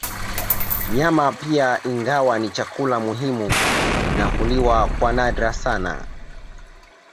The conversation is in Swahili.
Nyama pia ingawa ni chakula muhimu na huliwa kwa nadra sana